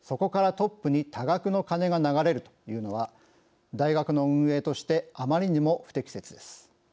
トップに多額の金が流れるというのは大学の運営としてあまりにも不適切です。